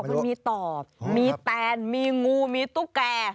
เขาบอกว่ามีตอบมีแตนมีงูมีตุ๊กแก